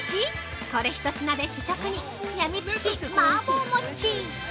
これ１品で主食にやみつき麻婆もち。